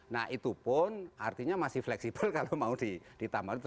nah itu pun artinya masih fleksibel kalau mau ditambah